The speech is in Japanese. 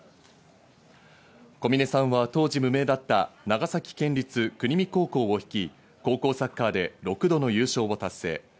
小嶺さんは当時、無名だった長崎県立国見高校を率い、高校サッカーで６度の優勝を達成。